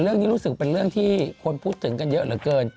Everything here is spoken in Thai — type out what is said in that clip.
เรื่องนี้รู้สึกเป็นเรื่องที่คนพูดถึงกันเยอะเหลือเกิน